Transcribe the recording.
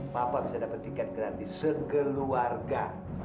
papa bisa dapat tiket gratis sekeluarga